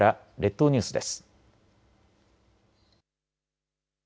列島ニュースです。